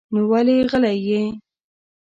نو ولې غلی يې؟